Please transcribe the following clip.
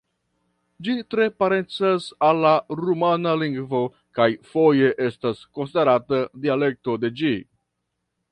Ĝi tre parencas al la rumana lingvo kaj foje estas konsiderata dialekto de ĝi.